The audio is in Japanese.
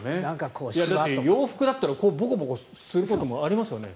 洋服だったらボコボコすることもありますよね。